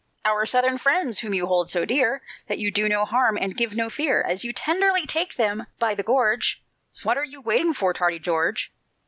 "Our Southern friends!" whom you hold so dear That you do no harm and give no fear, As you tenderly take them by the gorge What are you waiting for, tardy George?